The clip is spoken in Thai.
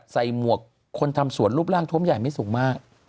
หมวกคนทำสวนรูปร่างทวมใหญ่ไม่สูงมาก